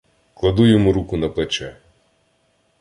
Кладу йому руку на плече.